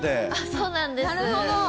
そうなんです。